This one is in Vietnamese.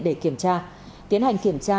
để kiểm tra tiến hành kiểm tra